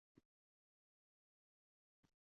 – Halol-pokizaligingiz, mo‘mina, solihaligingiz uchun.